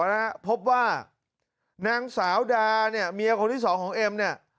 นะฮะพบว่านางสาวดาเนี่ยเมียคนที่สองของเอ็มเนี่ย